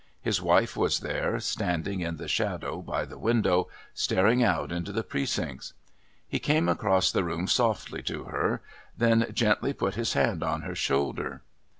His wife was there, standing in the shadow by the window, staring out into the Precincts. He came across the room softly to her, then gently put his hand on her shoulder.